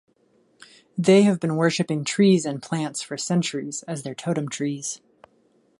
They have been worshiping trees and plants for centuries as their totem trees.